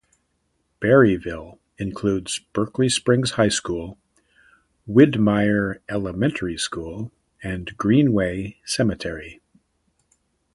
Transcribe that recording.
Berryville includes Berkeley Springs High School, Widmyer Elementary School, and Greenway Cemetery.